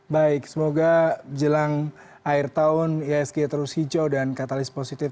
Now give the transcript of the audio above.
baik semoga jelang akhir tahun ihsg terus hijau dan katalis positif